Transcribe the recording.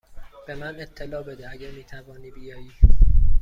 به من اطلاع بده اگر می توانی بیایی.